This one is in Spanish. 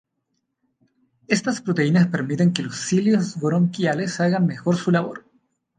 Estas proteínas permiten que los cilios bronquiales hagan mejor su labor.